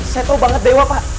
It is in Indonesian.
saya tahu banget dewa pak